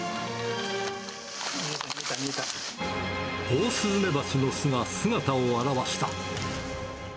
オオスズメバチの巣が姿を現した。